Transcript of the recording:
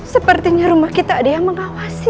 sepertinya rumah kita ada yang mengawasi